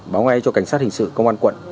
báo ngay cho cảnh sát hình sự công an quận